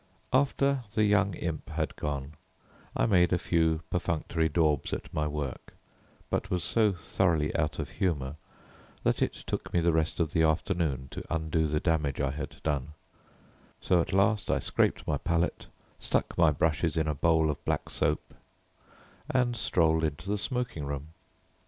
After the young imp had gone, I made a few perfunctory daubs at my work, but was so thoroughly out of humour, that it took me the rest of the afternoon to undo the damage I had done, so at last I scraped my palette, stuck my brushes in a bowl of black soap, and strolled into the smoking room.